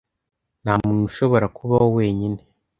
Nta muntu ushobora kubaho wenyine.